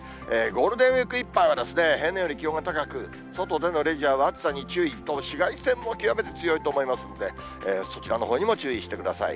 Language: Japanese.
ゴールデンウィークいっぱいは平年より気温が高く、外でのレジャーは暑さに注意と、紫外線も極めて強いと思いますんで、そちらのほうにも注意してください。